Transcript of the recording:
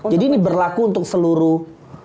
jadi ini berlaku untuk seluruh